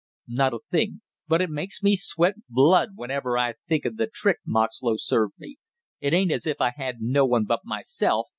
"Not a thing; but it makes me sweat blood whenever I think of the trick Moxlow served me, it ain't as if I had no one but myself!